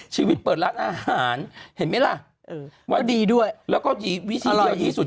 ชีวิตเปิดร้านอาหารเห็นไหมล่ะอืมก็ดีด้วยแล้วก็เอออร่อยดีสุด